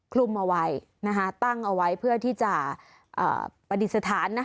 คลุมเอาไว้ตั้งเอาไว้เพื่อที่จะปฏิสถาน